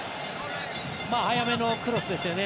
早めのクロスですよね。